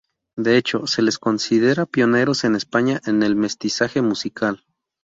De hecho, se les considera pioneros en España en el mestizaje musical.